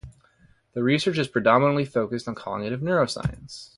The research is predominantly focused on cognitive Neuroscience.